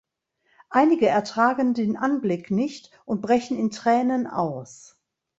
Einige ertragen den Anblick nicht und brechen in Tränen aus.